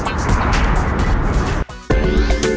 โปรดติดตามตอนต่อไป